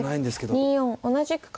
後手２四同じく角。